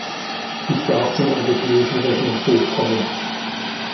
Ich darf zum Europäischen Rechnungshof kommen.